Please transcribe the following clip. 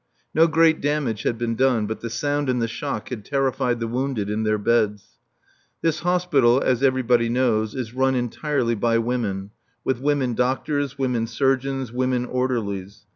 No great damage had been done, but the sound and the shock had terrified the wounded in their beds. This hospital, as everybody knows, is run entirely by women, with women doctors, women surgeons, women orderlies.